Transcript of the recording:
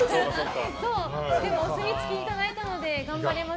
でも、お墨付きをいただいたので頑張れます。